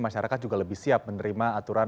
masyarakat juga lebih siap menerima aturan